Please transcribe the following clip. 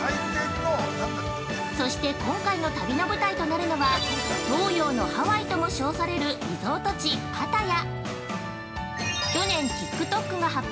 そして今度の旅の舞台となるのは東洋ハワイとしょうされる、リゾート地、パタヤ。